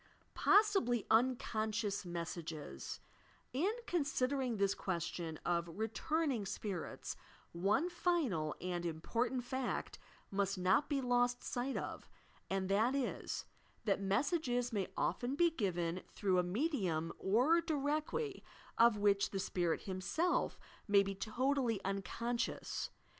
POSSIBLY UNCONSCIOUS MESSAGES In considering this question of returning "spirits," one final and important fact must not be lost sight of, and that is : That messages may often be given through MORE AND LESS DEVELOPED SPIRITS 197 a medium, or directly, of which the spirit himself may be totally unconscious.